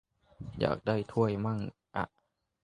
อยากได้ถ้วยมั่งอะ